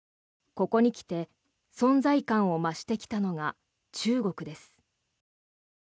ここに来て存在感を増してきたのが中国です。